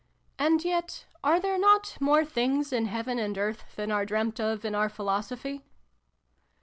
And yet, are there not ' more things in heaven and earth than are dreamt of in oiir philosophy